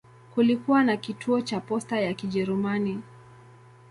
Kulikuwa na kituo cha posta ya Kijerumani.